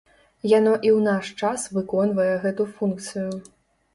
Яно і ў наш час выконвае гэту функцыю.